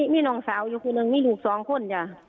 มีน้องสาวอีกอีกสามคน